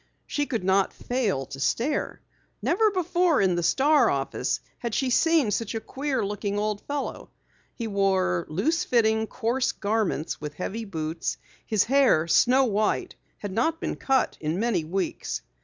She could not fail to stare. Never before in the Star office had she seen such a queer looking old fellow. He wore loose fitting, coarse garments with heavy boots. His hair, snow white, had not been cut in many weeks.